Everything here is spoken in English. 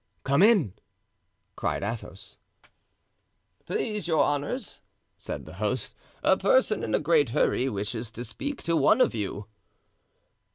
"Come in," cried Athos. "Please your honors," said the host, "a person in a great hurry wishes to speak to one of you."